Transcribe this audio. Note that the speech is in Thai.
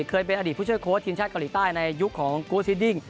เคยเป็นอดีตผู้ช่วยโค้ชทีมชาติเกาหลีใต้ในยุคของกูซีดดิ้ง